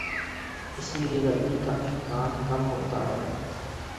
اس لیے غلطی کا امکان کم ہوتا ہے۔